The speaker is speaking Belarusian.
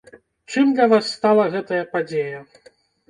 Чым для вас стала гэтая падзея?